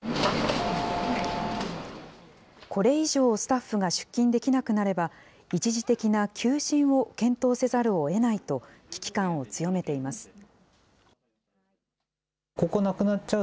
これ以上、スタッフが出勤できなくなれば、一時的な休診を検討せざるをえないと、危機感を強めています。